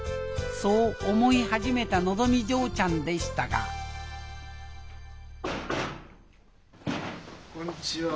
そう思い始めたのぞみ嬢ちゃんでしたがこんちは。